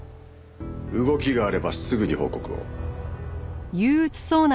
動きがあればすぐに報告を。